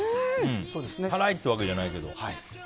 辛いってわけじゃないけど。